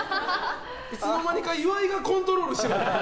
いつの間にか岩井がコントロールしてる！